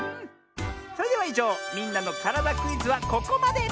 それではいじょう「みんなのからだクイズ」はここまで！